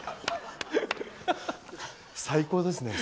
最高ですね。